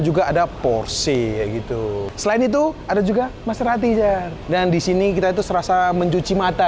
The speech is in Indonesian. juga ada porsi gitu selain itu ada juga mas rati dan disini kita itu serasa mencuci mata